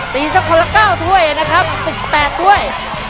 สักคนละ๙ถ้วยนะครับ๑๘ถ้วย